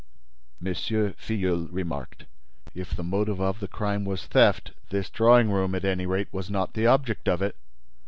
M. Filleul remarked: "If the motive of the crime was theft, this drawing room, at any rate, was not the object of it."